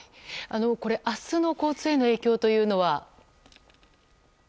明日の交通への影響というのは？